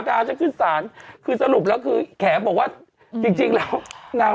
ก็เอาฉันขึ้นสารคือสรุปแล้วคือแขบอกว่าจริงแล้วนาง